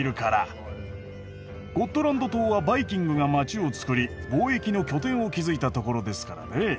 ゴットランド島はバイキングが街をつくり貿易の拠点を築いたところですからねぇ。